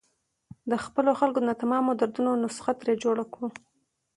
د خپلو خلکو د ناتمامو دردونو نسخه ترې جوړه کړو.